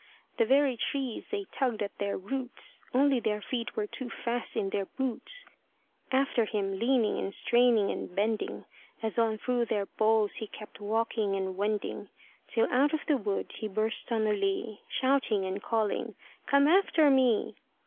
The very trees they tugged at their roots, Only their feet were too fast in their boots, After him leaning and straining and bending, As on through their boles he kept walking and wending, Till out of the wood he burst on a lea, Shouting and calling, "Come after me!"